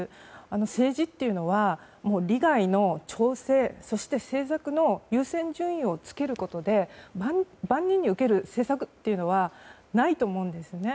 政治というのは利害の調整そして政策の優先順位をつけることで万人に受ける政策はないと思うんですね。